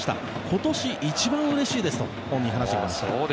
今年一番うれしいですと本人話していました。